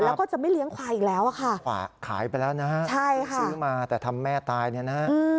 แล้วก็จะไม่เลี้ยงควายอีกแล้วอะค่ะฝากขายไปแล้วนะฮะใช่ค่ะซื้อมาแต่ทำแม่ตายเนี่ยนะฮะ